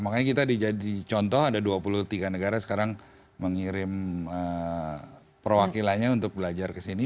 makanya kita dijadi contoh ada dua puluh tiga negara sekarang mengirim perwakilannya untuk belajar ke sini